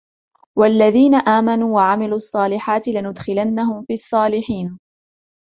والذين آمنوا وعملوا الصالحات لندخلنهم في الصالحين